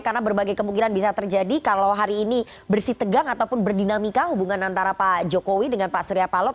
karena berbagai kemungkinan bisa terjadi kalau hari ini bersih tegang ataupun berdinamika hubungan antara pak jokowi dengan pak surya paloh